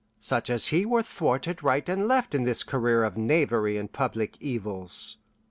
Such as he were thwarted right and left in this career of knavery and public evils.